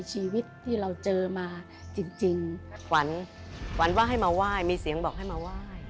หวานว่าให้มาว่ายมีเสียงบอกให้มาว่าย